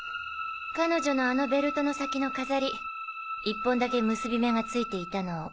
彼女のあのベルトの先の飾り１本だけ結び目がついていたのを。